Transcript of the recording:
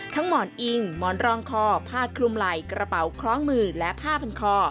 หมอนอิงหมอนรองคอผ้าคลุมไหล่กระเป๋าคล้องมือและผ้าพันคอ